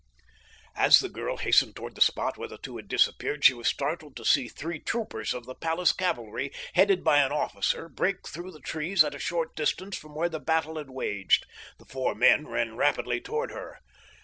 As the girl hastened toward the spot where the two had disappeared, she was startled to see three troopers of the palace cavalry headed by an officer break through the trees at a short distance from where the battle had waged. The four men ran rapidly toward her.